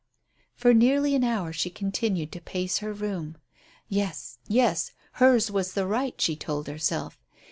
For nearly an hour she continued to pace her room. Yes, yes! Hers was the right, she told herself.